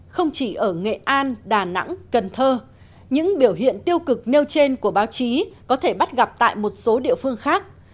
không chỉ ở nghệ an đà nẵng cần thơ những biểu hiện tiêu cực nêu trên của báo chí có thể bắt gặp tại một số địa phương khác